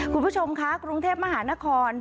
คุณผู้ชมคะกรุงเทพมหานคร